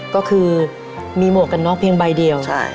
ก็คือมีหมวกกันน็อกเพียงใบเดียว